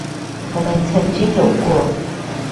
我們曾經有過